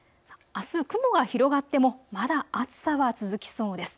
あす雲が広がっても、まだ暑さは続きそうです。